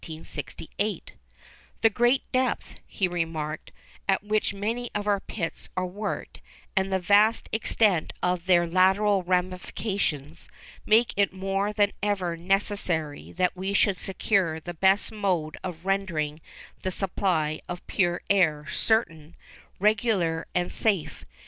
'The great depth,' he remarked, 'at which many of our pits are worked, and the vast extent of their lateral ramifications, make it more than ever necessary that we should secure the best mode of rendering the supply of pure air certain, regular, and safe.